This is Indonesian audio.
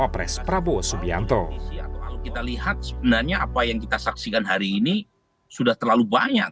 prabowo subianto kalau kita lihat sebenarnya apa yang kita saksikan hari ini sudah terlalu banyak